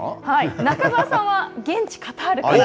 中澤さんは現地カタールから。